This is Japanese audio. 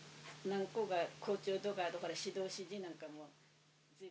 何校か校長とかあとほら指導主事なんかも。